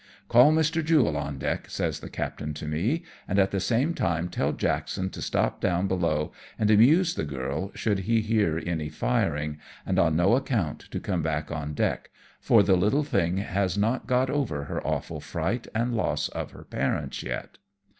" Call Mr. Jule on deck," says the captain to me, " and at the same time tell Jackson to stop down below and amuse the girl should he hear any firing. ATTACKED BY LORCHAS. 73 and on no account to come on deck, for the little thing has not got over her awful fright and loss of her parents yet."